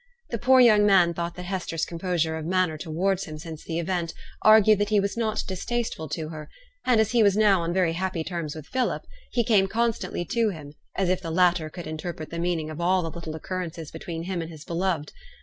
The poor young man thought that Hester's composure of manner towards him since the event argued that he was not distasteful to her; and as he was now on very happy terms with Philip, he came constantly to him, as if the latter could interpret the meaning of all the little occurrences between him and his beloved.